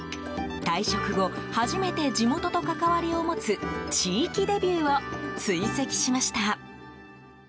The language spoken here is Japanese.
退職後、初めて地元と関わりを持つ地域デビューを追跡しました。